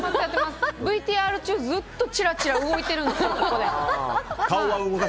ＶＴＲ中、ずっとちらちら動いてるんですよ。